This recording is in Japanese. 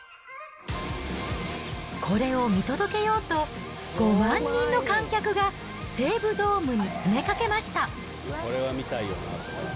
これを見届けようと、５万人の観客が西武ドームに詰めかけました。